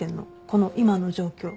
この今の状況。